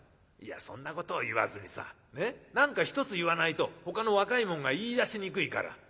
「いやそんなことを言わずにさねっ何か１つ言わないとほかの若いもんが言いだしにくいから」。